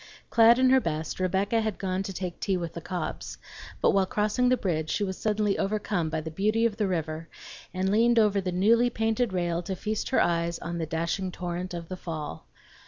Clad in her best, Rebecca had gone to take tea with the Cobbs; but while crossing the bridge she was suddenly overcome by the beauty of the river and leaned over the newly painted rail to feast her eyes on the dashing torrent of the fall.